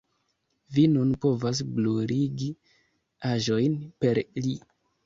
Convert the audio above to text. Vi nun povas bruligi aĵojn per li